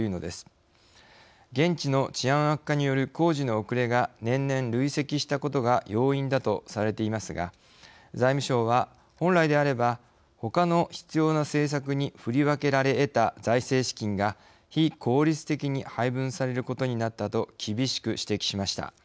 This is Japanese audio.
現地の治安悪化による工事の遅れが年々累積したことが要因だとされていますが財務省は本来であれば他の必要な政策に振り分けられえた財政資金が非効率的に配分されることになったと厳しく指摘しました。